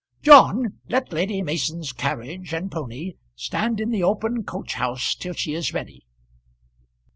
John, let Lady Mason's carriage and pony stand in the open coach house till she is ready."